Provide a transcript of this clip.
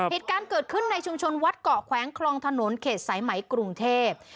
เหตุการณ์เกิดขึ้นในชุมชนวัดเกาะแขวงคลองถนนเขตสายไหมกรุงเทพ